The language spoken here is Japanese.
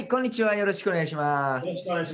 よろしくお願いします。